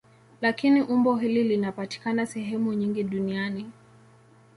Lakini umbo hili linapatikana sehemu nyingi duniani.